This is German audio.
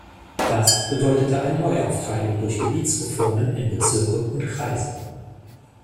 Das bedeutete eine Neuaufteilung durch Gebietsreformen in "Bezirke" und "Kreise".